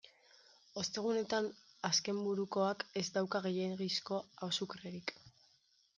Ostegunetan azkenburukoak ez dauka gehiegizko azukrerik.